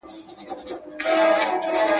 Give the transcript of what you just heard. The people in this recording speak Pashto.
چوپ دی نغمه زار د آدم خان او درخانیو.